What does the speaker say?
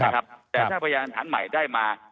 แต่ถ้าพยานฐานใหม่ได้มา